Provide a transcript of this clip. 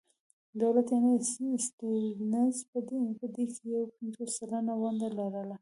دولت یعنې سټیونز په دې کې یو پنځوس سلنه ونډه لرله.